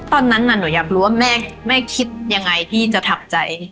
ตอนนั้นน่ะหนูอยากรู้ว่าแม่คิดยังไงที่จะทับใจ